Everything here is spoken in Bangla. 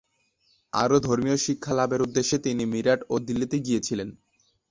আরও ধর্মীয় শিক্ষা লাভের উদ্দেশ্যে তিনি মিরাট ও দিল্লিতে গিয়েছিলেন।